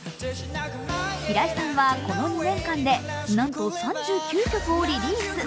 平井さんはこの２年間でなんと３９曲をリリース。